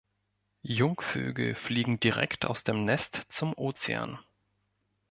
Jungvögel fliegen direkt aus dem Nest zum Ozean.